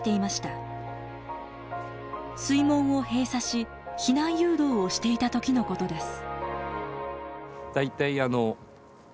水門を閉鎖し避難誘導をしていた時のことです。